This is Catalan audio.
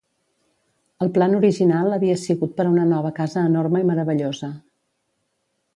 El plan original havia sigut per a una nova casa enorme i meravellosa.